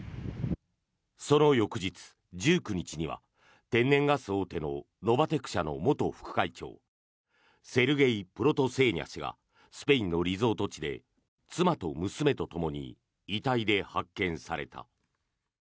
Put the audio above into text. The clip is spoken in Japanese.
その翌日１９日には天然ガス大手のノバテク社の元副会長セルゲイ・プロトセーニャ氏がスペインのリゾート地で妻と娘とともに遺体で発見された。